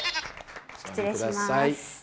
失礼します。